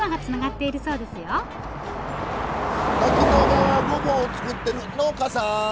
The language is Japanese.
滝野川ごぼうを作ってる農家さん！